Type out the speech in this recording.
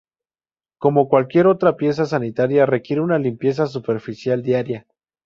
Como con cualquier otra pieza sanitaria, requiere una limpieza superficial diaria.